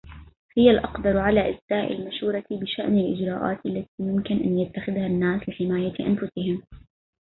هي الأقدر على إسداء المشورة بشأن الإجراءات التي يمكن أن يتخذها الناس لحماية أنفسهم